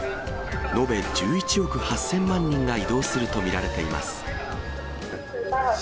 延べ１１億８０００万人が移動すると見られています。